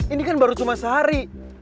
ini kan baru cuma sehari